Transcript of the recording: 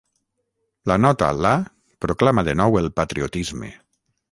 La nota LA proclama de nou el patriotisme.